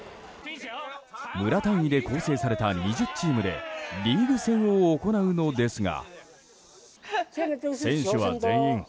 村単位で構成された２０チームでリーグ戦を行うのですが。